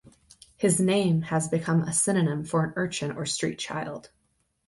His name has become a synonym for an urchin or street child.